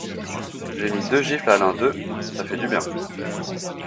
J'ai mis deux gifles à l'un deux, ça fait du bien.